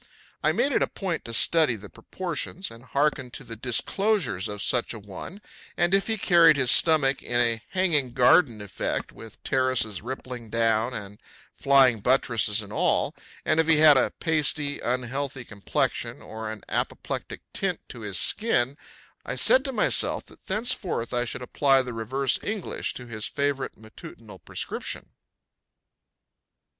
I made it a point to study the proportions and hearken to the disclosures of such a one, and if he carried his stomach in a hanging garden effect, with terraces rippling down and flying buttresses and all; and if he had a pasty, unhealthy complexion or an apoplectic tint to his skin I said to myself that thenceforth I should apply the reverse English to his favorite matutinal prescription.